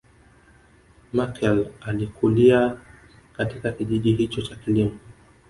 Machel alikulia katika kijiji hicho cha kilimo